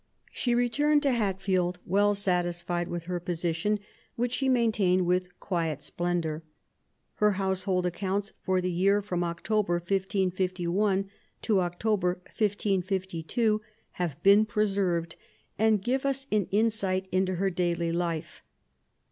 She returned to Hatfield well satisfied with her position, which she maintained with quiet splendour. Her household accounts for the year from October, 1551, to October, 1552, have been preserved and give us an insight into her daily life.